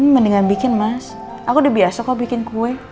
mendingan bikin mas aku udah biasa kok bikin kue